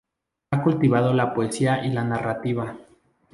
Ha cultivado la poesía y la narrativa.